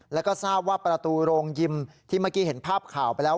แล้วก็ทราบว่าประตูโรงยิมที่เมื่อกี้เห็นภาพข่าวไปแล้ว